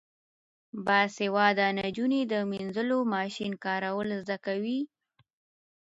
باسواده نجونې د مینځلو ماشین کارول زده کوي.